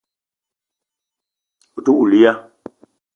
Ou te woul ya?